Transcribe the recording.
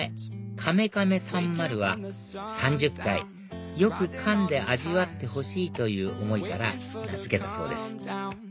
ｃａｍｅｃａｍｅ３０は３０回よくかんで味わってほしいという思いから名付けたそうです